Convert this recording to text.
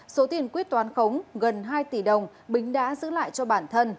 số tiền quyết toán khống gần hai tỷ đồng bính đã giữ lại cho bản thân